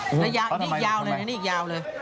อันนี้อีกยาวเลยอีกยาวเลย